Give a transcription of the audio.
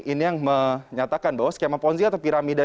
ini yang menyatakan bahwa skema ponzi atau piramida